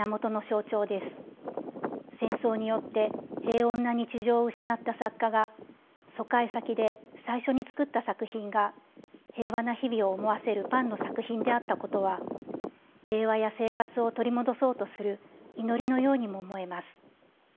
戦争によって平穏な日常を失った作家が疎開先で最初に作った作品が平和な日々を思わせるパンの作品であったことは平和や生活を取り戻そうとする祈りのようにも思えます。